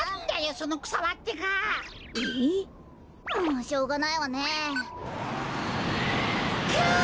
もうしょうがないわねえ。くっ！